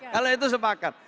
kalau itu sepakat